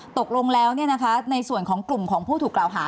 ตกลงแล้วในส่วนของกลุ่มของผู้ถูกกล่าวหา